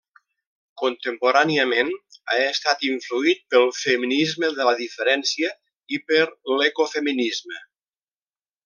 Contemporàniament ha estat influït pel feminisme de la diferència i per l'ecofeminisme.